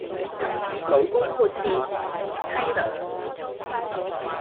老公撥扇妻涼